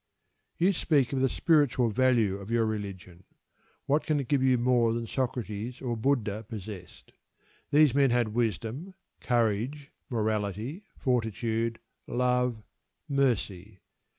You speak of the spiritual value of your religion. What can it give you more than Socrates or Buddha possessed? These men had wisdom, courage, morality, fortitude, love, mercy.